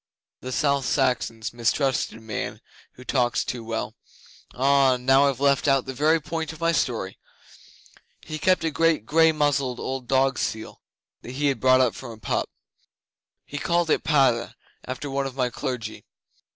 The South Saxons mistrust a man who talks too well. Ah! Now, I've left out the very point of my story. He kept a great grey muzzled old dog seal that he had brought up from a pup. He called it Padda after one of my clergy.